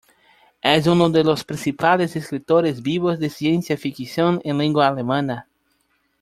Es uno de los principales escritores vivos de ciencia ficción en lengua alemana.